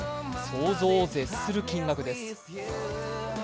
想像を絶する金額です。